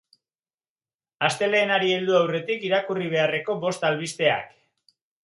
Astelehenari heldu aurretik irakurri beharreko bost albisteak.